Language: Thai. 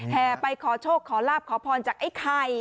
แห่ไปขอโชคขอลาบขอพรจากไอ้ไข่